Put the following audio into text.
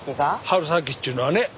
春先っちゅうのはね。